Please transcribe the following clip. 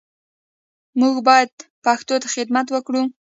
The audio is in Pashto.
موږ باید پښتو ته خدمت وکړو